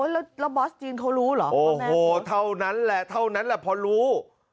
แล้วบอสจีนเขารู้เหรอโอ้โหเท่านั้นแหละเท่านั้นแหละพอรู้